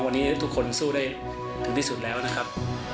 วันนี้ทุกคนสู้ได้ถึงที่สุดแล้วนะครับ